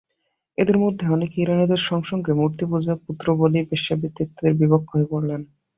এদের মধ্যে অনেকে ইরানীদের সংসর্গে মূর্তিপূজা, পুত্রবলি, বেশ্যাবৃত্তি ইত্যাদির বিপক্ষ হয়ে পড়লেন।